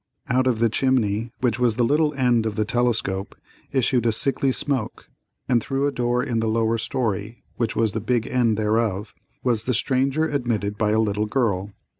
Out of the chimney, which was the little end of the telescope, issued a sickly smoke; and through a door in the lower story, which was the big end thereof, was the stranger admitted by a little girl.